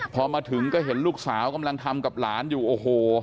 พอมาถึงก็เห็นลูกสาวกำลังทำกับหลานอยู่โอ้โห